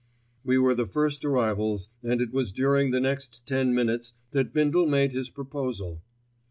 We were the first arrivals, and it was during the next ten minutes that Bindle made his proposal.